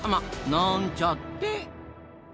なんちゃって！